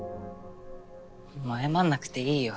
もう謝んなくていいよ。